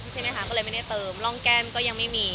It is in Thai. ใช่ไหมคะก็เลยไม่ได้เติมร่องแก้มก็ยังไม่มี